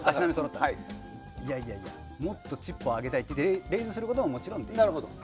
いやいやもっとチップを上げたいとレイズすることはもちろんできます。